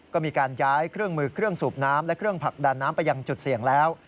ก็มีการย้ายเครื่องมือเครื่องสูบน้ำและเครื่องผลักดันน้ำไปยังจุดเสี่ยงแล้ว